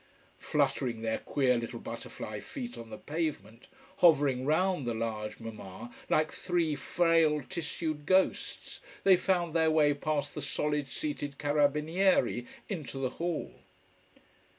Fluttering their queer little butterfly feet on the pavement, hovering round the large Mama like three frail tissued ghosts, they found their way past the solid, seated Carabinieri into the hall.